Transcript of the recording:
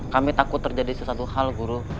kami takut terjadi sesuatu hal guru